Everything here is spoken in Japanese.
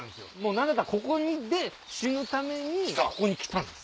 何だったらここで死ぬためにここに来たんです。